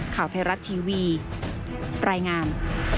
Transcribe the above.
ข่าวไทยรัฐทีวีรายงาน